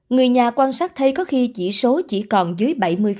người nhà quan sát thấy có khi chỉ số chỉ còn dưới bảy mươi